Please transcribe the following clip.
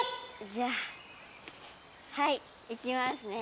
じゃあはいいきますね。